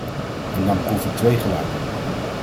En dan proef ik twee geluiden.